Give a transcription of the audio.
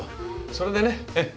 それでね。